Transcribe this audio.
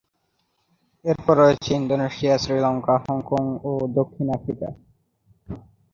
এরপর রয়েছে Indonesia, Sri Lanka, Hong Kong ও দক্ষিণ আফ্রিকা।